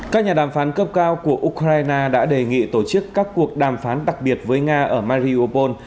các nhà đàm phán cấp cao của ukraine đã đề nghị tổ chức các cuộc đàm phán đặc biệt với nga ở mari opon